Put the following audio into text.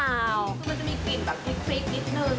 มันจะมีกลิ่นแบบคลิกอีกหนึ่ง